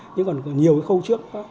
nhưng còn nhiều cái khâu trước